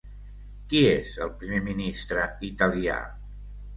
Qui és el primer ministre italià?